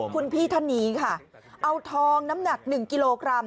คุณพี่ท่านนี้ค่ะเอาทองน้ำหนัก๑กิโลกรัม